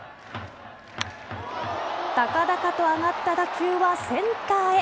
高々と上がった打球はセンターへ。